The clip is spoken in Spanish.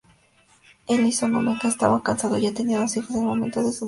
Ellison Onizuka estaba casado y tenía dos hijos en el momento de su muerte.